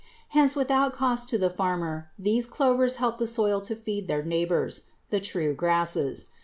Hence without cost to the farmer these clovers help the soil to feed their neighbors, the true grasses.